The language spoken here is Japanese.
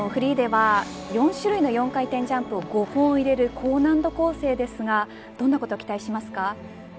フリーでは、４種類の４回転ジャンプを５本入れる高難度構想ですがどんなことを期待しますか。